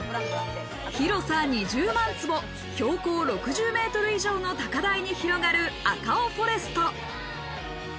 広さ２０万坪、標高６０ｍ以上の高台に広がるアカオフォレスト。